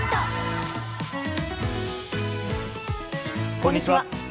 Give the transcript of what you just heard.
こんにちは。